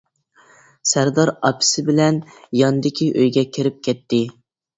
سەردار ئاپىسى بىلەن ياندىكى ئۆيگە كىرىپ كەتتى.